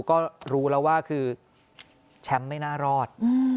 ก็รู้แล้วว่าคือแชมป์ไม่น่ารอด